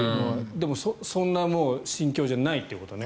でも、そんな心境じゃないということね。